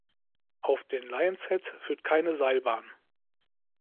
Auf den Lion’s Head führt keine Seilbahn.